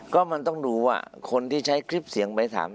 ก็มันต้องดูว่าคนที่ใช้คลิปเสียงไปถาม